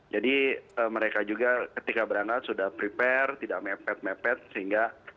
jadi mereka juga ketika berangkat sudah prepare tidak mepet mepet sehingga